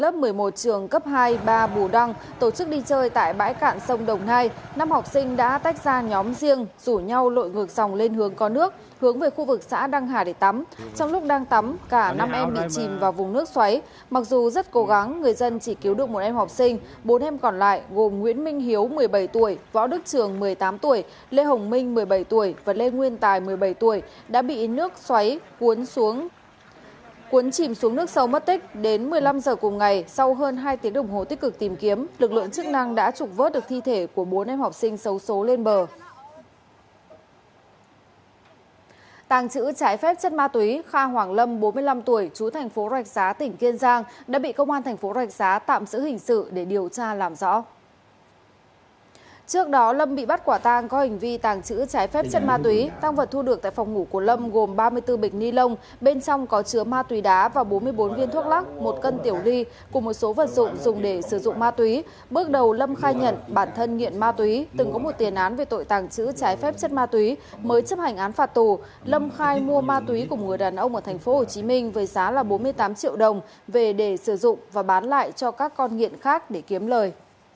mới chấp hành án phạt tù lâm khai mua ma túy của một người đàn ông ở tp hcm với giá là bốn mươi tám triệu đồng về để sử dụng và bán lại cho các con nghiện khác để kiếm lời